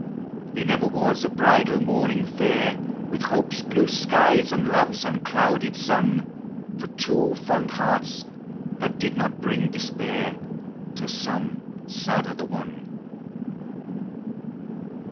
There never was a bridal morning fair With hope's blue skies and love's unclouded sun For two fond hearts, that did not bring despair To some sad other one.